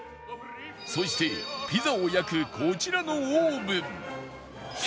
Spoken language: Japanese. そしてピザを焼くこちらのオーブン